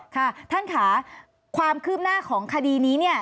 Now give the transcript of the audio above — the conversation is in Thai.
ค่ะท่านค่ะความคืบหน้าของคดีนี้เนี่ย